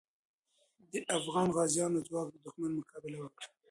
د افغان غازیو ځواک د دښمن مقابله وکړه.